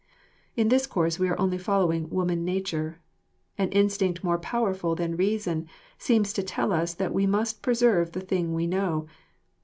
In this course we are only following woman nature. An instinct more powerful than reason seems to tell us that we must preserve the thing we know.